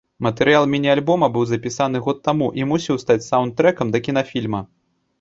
Матэрыял міні-альбома быў запісаны год таму і мусіў стаць саўнд-трэкам да кінафільма.